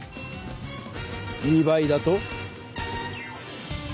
２倍だと？